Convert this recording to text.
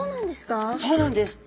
そうなんですか？